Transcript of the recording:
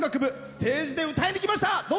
ステージで歌いに来ました。